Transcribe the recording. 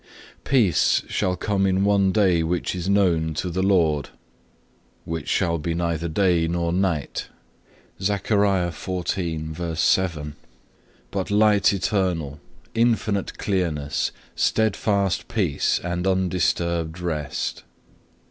Peace shall come in one day which is known to the Lord; which shall be neither day nor night,(1) but light eternal, infinite clearness, steadfast peace, and undisturbed rest.